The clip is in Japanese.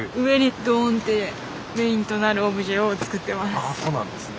あそうなんですね。